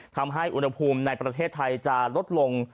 ทำให้อุณหภูมิในประเทศไทยจะลดลง